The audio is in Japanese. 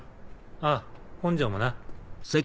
ああ本庄もな。